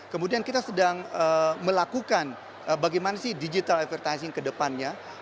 kemudian kita sedang melakukan bagaimana sih digital advertising kedepannya